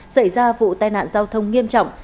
xảy ra vụ tai nạn giao thông nghiêm trọng